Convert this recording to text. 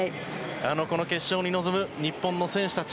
この決勝に臨む日本の選手たち